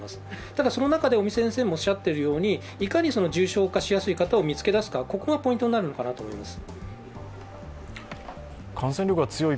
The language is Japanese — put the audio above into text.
ただ、その中で尾身先生もおっしゃっているようにいかに重症化しやすい人を見つけ出すか、ここがポイントになるのかなと思います。